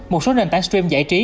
một số nền tảng stream giải trí